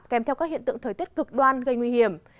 kèm theo các hiện tượng thời tiết cực đoan gây nguy hiểm